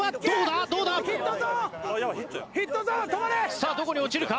さあどこに落ちるか？